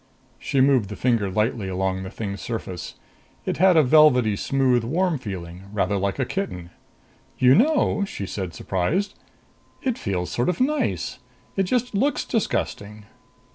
She moved the finger lightly along the thing's surface. It had a velvety, smooth, warm feeling, rather like a kitten. "You know," she said surprised, "it feels sort of nice! It just looks disgusting."